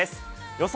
予想